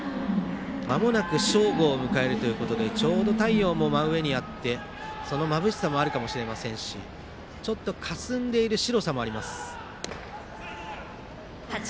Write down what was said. まもなく正午を迎えるということでちょうど太陽も真上にあってそのまぶしさもあると思いますしちょっとかすんでいる白さもあります。